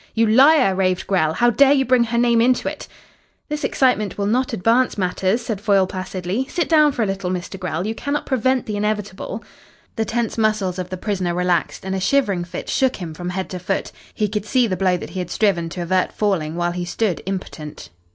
"You liar!" raved Grell. "How dare you bring her name into it!" "This excitement will not advance matters," said Foyle placidly. "Sit down for a little, Mr. Grell. You cannot prevent the inevitable." The tense muscles of the prisoner relaxed and a shivering fit shook him from head to foot. He could see the blow that he had striven to avert falling while he stood impotent.